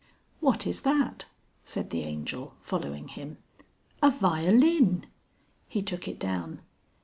"What is that?" said the Angel, following him. "A violin!" He took it down.